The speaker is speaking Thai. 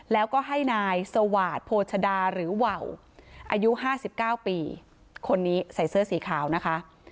แล้วก็ให้นายสวาสโภชดาหรือว่าวอายุ๕๙ปีคนนี้ใส่เสื้อสีขาวนะคะ